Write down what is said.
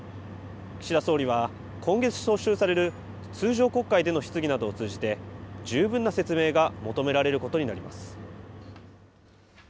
岸田総理は、今月召集される通常国会での質疑などを通じて、十分な説明が求められることになります。